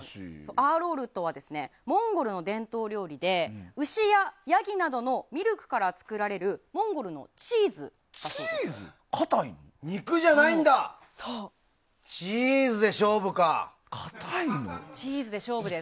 アーロールとはモンゴルの伝統料理で牛やヤギなどのミルクから作られるモンゴルのチーズだそうです。